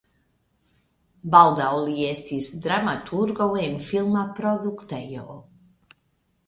Baldaŭ li estis dramaturgo en filma produktejo.